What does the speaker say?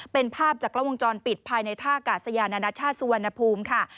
เป็นภาพจากกล้องวงจรปิดภายในท่ากาศยานานาชาติสุวรรณภูมิค่ะ